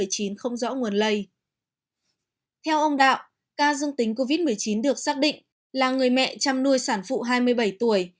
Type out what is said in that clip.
theo ông đạo ca dương tính covid một mươi chín được xác định là người mẹ chăm nuôi sản phụ hai mươi bảy tuổi